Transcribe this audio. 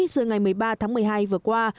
giữa ngày một mươi ba tháng một mươi hai vừa qua